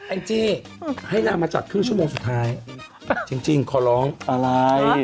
จี้ให้นางมาจัดครึ่งชั่วโมงสุดท้ายจริงขอร้องอะไร